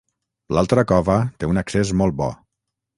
L'altra cova té un accés molt bo.